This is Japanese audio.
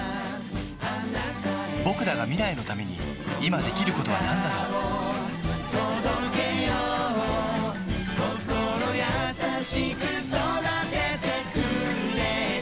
ぼくらが未来のために今できることはなんだろう心優しく育ててくれた